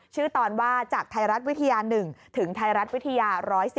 ตอนว่าจากไทยรัฐวิทยา๑ถึงไทยรัฐวิทยา๑๑